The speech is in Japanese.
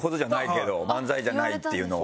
漫才じゃないっていうのは。